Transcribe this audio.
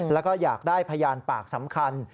แล้วก็อยากได้พยานปากสำคัญ